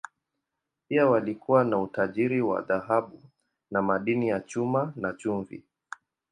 Pia walikuwa na utajiri wa dhahabu na madini ya chuma, na chumvi.